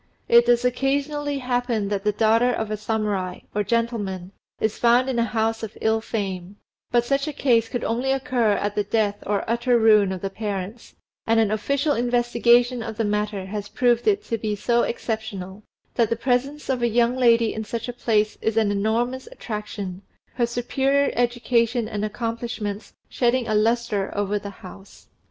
It does occasionally happen that the daughter of a Samurai, or gentleman, is found in a house of ill fame, but such a case could only occur at the death or utter ruin of the parents, and an official investigation of the matter has proved it to be so exceptional, that the presence of a young lady in such a place is an enormous attraction, her superior education and accomplishments shedding a lustre over the house.